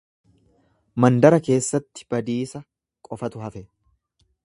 Mandara keessatti badiisa qofatu hafe.